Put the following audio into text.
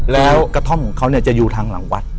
แล้วกระท่อมของเขาจะอยู่ทางหลังวัด